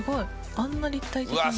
あんな立体的に。